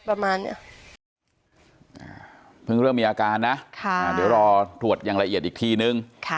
เดี๋ยวเราตรวจยังละเองรายละเอียดอีกทีนึง